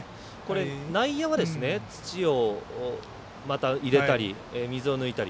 内野はまた土を入れたり水を抜いたり。